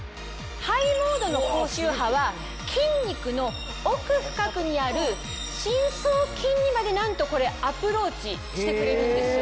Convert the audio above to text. ＨＩＧＨモードの高周波は筋肉の奥深くにある深層筋にまでなんとこれアプローチしてくれるんですよ。